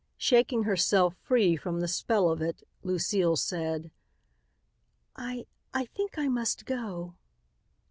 Shaking herself free from the spell of it, Lucile said, "I I think I must go."